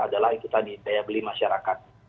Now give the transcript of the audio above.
adalah kita di daya beli masyarakat